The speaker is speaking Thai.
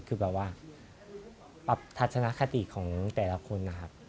คือแบบว่าปรับทัศนคติของแต่ละคนนะครับ